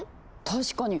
確かに！